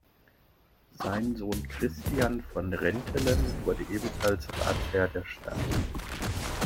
Sein Sohn Christian von Rentelen wurde ebenfalls Ratsherr der Stadt.